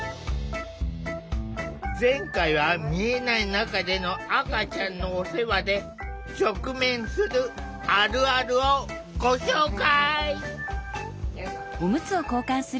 前回は見えない中での赤ちゃんのお世話で直面するあるあるをご紹介。